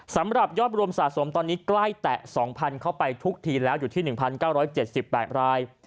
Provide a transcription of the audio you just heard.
สำหรับยอดรวมสะสมตอนนี้ใกล้แตะ๒๐๐เข้าไปทุกทีแล้วอยู่ที่๑๙๗๘ราย